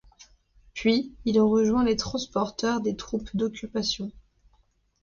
Puis il rejoint les transporteurs des troupes d'occupation.